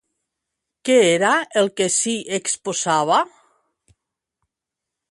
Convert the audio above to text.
Què era el que s'hi exposava?